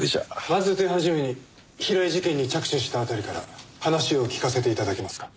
まず手始めに平井事件に着手したあたりから話を聞かせて頂けますか？